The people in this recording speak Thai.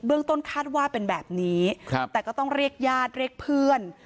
ต้นคาดว่าเป็นแบบนี้ครับแต่ก็ต้องเรียกญาติเรียกเพื่อน